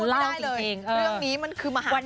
เอาเป็นคนไม่ได้เลยเรื่องนี้มันคือมหากามเลยนะ